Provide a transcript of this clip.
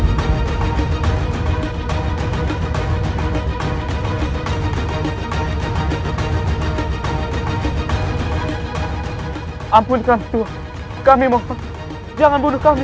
hai hai apunkan tua kami mohon jangan bunuh kami